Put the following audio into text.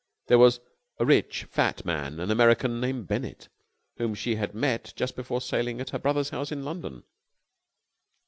There was a rich fat man, an American named Bennett, whom she had met just before sailing at her brother's house in London.